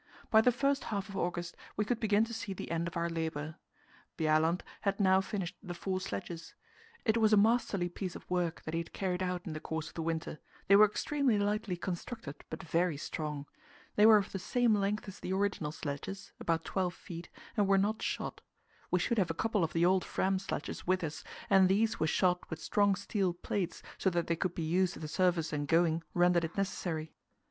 By the first half of August we could begin to see the end of our labour. Bjaaland had now finished the four sledges. It was a masterly piece of work that he had carried out in the course of the winter; they were extremely lightly constructed, but very strong. They were of the same length as the original sledges about 12 feet and were not shod. We should have a couple of the old Fram sledges with us, and these were shod with strong steel plates, so that they could be used if the surface and going rendered it necessary.